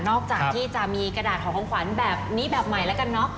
อกจากที่จะมีกระดาษหอของขวัญแบบนี้แบบใหม่แล้วกันเนอะ